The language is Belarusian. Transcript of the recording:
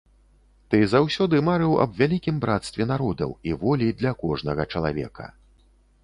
Ты заўсёды марыў аб вялікім брацтве народаў і волі для кожнага чалавека.